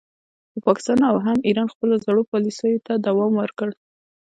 خو پاکستان او هم ایران خپلو زړو پالیسیو ته دوام ورکړ